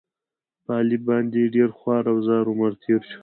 په علي باندې ډېر خوار او زار عمر تېر شو.